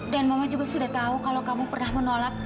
dan mama juga sudah tahu kalau kamu pernah menolak